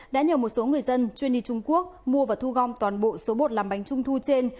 đã nhờ một số người dân chuyên đi trung quốc mua và thu gom toàn bộ số bột làm bánh trung thu trên